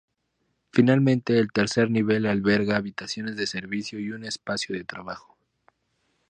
Finalmente el tercer nivel alberga habitaciones de servicio y un espacio de trabajo.